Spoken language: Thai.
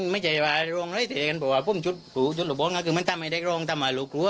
มาหาว่าเขาเพี้ยนรึเปล่าหรอนยารึเปล่า